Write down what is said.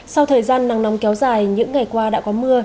sau thời gian nắng nóng kéo dài những ngày qua đã có mưa